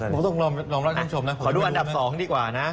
ผมต้องลองรับชมนะเพราะว่าไม่รู้นะครับขอดูอันดับ๒ดีกว่านะ